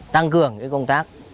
tăng cường công tác